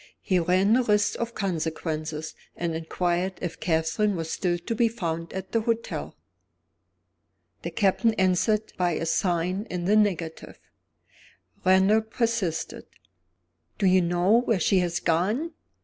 He ran the risk of consequences, and inquired if Catherine was still to be found at the hotel. The Captain answered by a sign in the negative. Randal persisted. "Do you know where she has gone?"